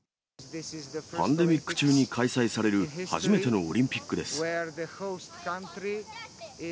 パンデミック中に開催される初めてのオリンピックです。